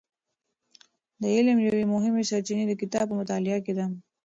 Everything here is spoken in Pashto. د علم یوې مهمې سرچینې د کتاب په مطالعه کې ده.